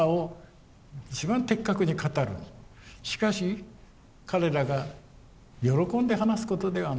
しかし彼らが喜んで話すことではない。